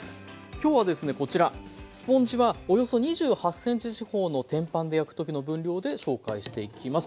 今日はですねこちらスポンジはおよそ２８ｃｍ四方の天板で焼くときの分量で紹介していきます。